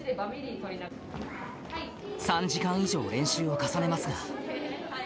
３時間以上練習を重ねますが。